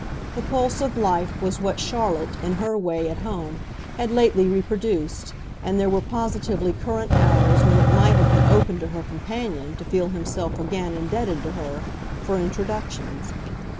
The pulse of life was what Charlotte, in her way, at home, had lately reproduced, and there were positively current hours when it might have been open to her companion to feel himself again indebted to her for introductions.